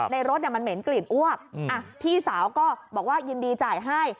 รถมันเหม็นกลิ่นอ้วกพี่สาวก็บอกว่ายินดีจ่ายให้